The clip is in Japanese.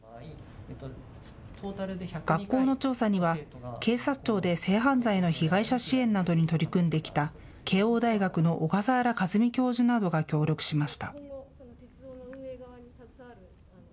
学校の調査には警察庁で性犯罪の被害者支援などに取り組んできた慶應大学の小笠原和美教授などが協力しました。